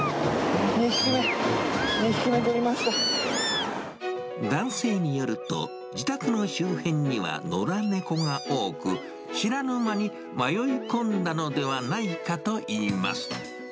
２匹目、男性によると、自宅の周辺には野良猫が多く、知らぬ間に迷い込んだのではないかといいます。